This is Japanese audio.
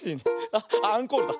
あっアンコールだ。